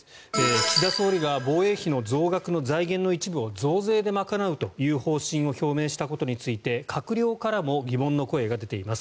岸田総理が防衛費の増額の財源の一部を増税で賄うという方針を表明したことについて閣僚からも疑問の声が出ています。